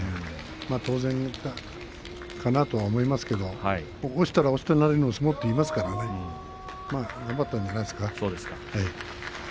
当然かなと思いますけど落ちたら落ちたなりの相撲といいますからねよかったんじゃないですか。